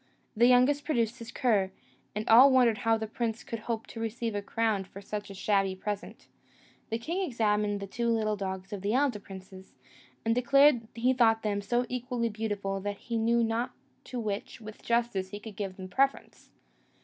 The youngest produced his cur, and all wondered how the prince could hope to receive a crown for such a shabby present. The king examined the two little dogs of the elder princes, and declared he thought them so equally beautiful that he knew not to which, with justice, he could give the preference.